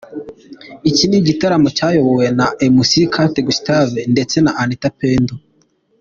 Iki ni igitaramo cyayobowe na Mc Kate Gustave ndetse na Anitha Pendo.